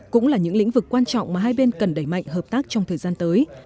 cũng là những lĩnh vực quan trọng mà hai bên cần đẩy mạnh hợp tác trong thời gian tới